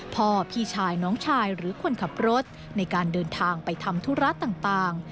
พี่ชายน้องชายหรือคนขับรถในการเดินทางไปทำธุระต่าง